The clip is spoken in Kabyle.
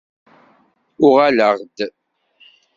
Uɣaleɣ-d.